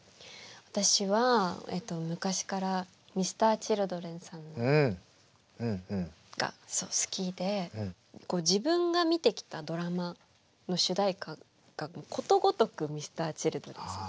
私は昔からＭｒ．Ｃｈｉｌｄｒｅｎさんが好きで自分が見てきたドラマの主題歌がことごとくＭｒ．Ｃｈｉｌｄｒｅｎさん。